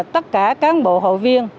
tất cả cán bộ hậu viên